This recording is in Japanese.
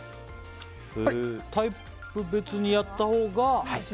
タイプ別にやったほうが。